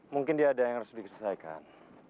mungkin dia ada yang harus diselesaikan